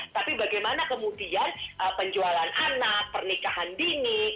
tapi bagaimana kemudian penjualan anak pernikahan dini